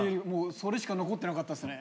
それしか残ってなかったっすね。